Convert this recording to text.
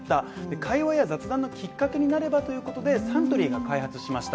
会話や雑談のきっかけになればということでサントリーが開発しました。